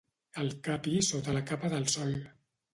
El capi sota la capa del sol.